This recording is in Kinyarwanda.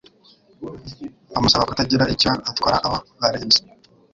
bamusaba kutagira icyo atwara abo barinzi.